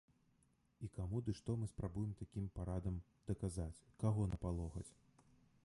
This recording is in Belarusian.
І каму ды што мы спрабуем такім парадам даказаць, каго напалохаць?